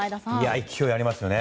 勢いありますよね。